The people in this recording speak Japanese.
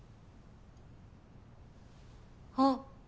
あっ。